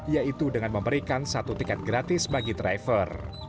yaitu dengan memberikan satu tiket gratis bagi driver